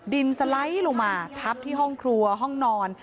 ดินสไลด์ลงมาทับที่ห้องครัวห้องนอน